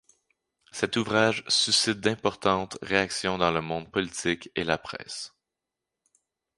Cet ouvrage suscite d'importantes réactions dans le monde politique et la presse.